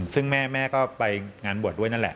ซึ่งแม่ก็ไปงานบวชด้วยนั่นแหละ